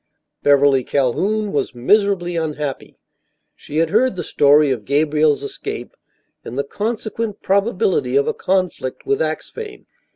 Beverly Calhoun was miserably unhappy. She had heard the story of Gabriel's escape and the consequent probability of a conflict with Axphain.